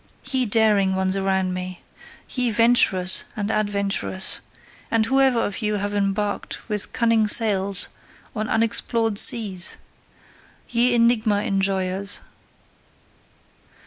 Ye daring ones around me! Ye venturers and adventurers, and whoever of you have embarked with cunning sails on unexplored seas! Ye enigma enjoyers!